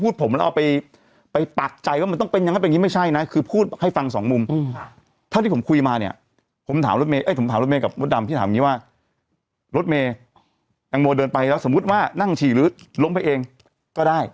ที่ถามอย่างงี้ว่ารถเมย์นางโมเดินไปแล้วสมมุติว่านั่งฉีกหรือล้มไปเองก็ได้